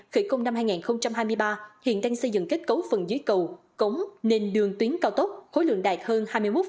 khởi công năm hai nghìn hai mươi ba hiện đang xây dựng kết cấu phần dưới cầu cống nền đường tuyến cao tốc khối lượng đạt hơn hai mươi một